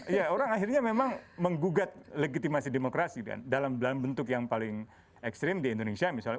iya orang akhirnya memang menggugat legitimasi demokrasi kan dalam bentuk yang paling ekstrim di indonesia misalnya